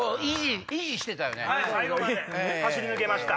最後まで走り抜けました。